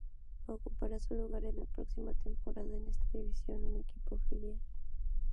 Ocupará su lugar en la próxima temporada en esta división un equipo filial.